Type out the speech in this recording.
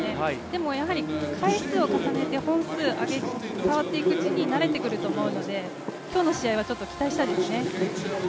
でもやはり回数を重ねて本数触っていくうちに、慣れてくると思うので今日の試合は期待したいですよね。